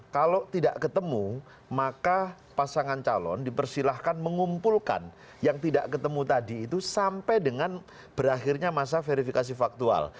kalau tidak ketemu maka pasangan calon dipersilahkan mengumpulkan yang tidak ketemu tadi itu sampai dengan berakhirnya masa verifikasi faktual